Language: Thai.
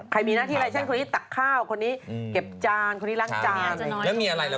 ใครมีหน้าที่อะไร